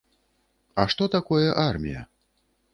А што такое армія?